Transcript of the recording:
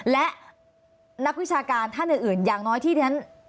และนักวิชาการท่านอื่นอย่างน้อยที่เรียน